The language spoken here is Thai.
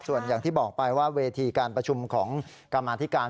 ส่วนอย่างที่บอกไปว่าเวทีการประชุมของกรรมาธิการ